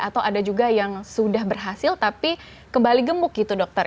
atau ada juga yang sudah berhasil tapi kembali gemuk gitu dokter